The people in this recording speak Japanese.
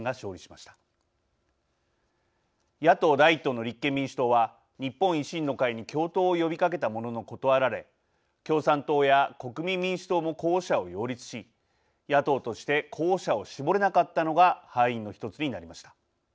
野党第一党の立憲民主党は日本維新の会に共闘を呼びかけたものの断られ共産党や国民民主党も候補者を擁立し野党として候補者を絞れなかったのが敗因の１つになりました。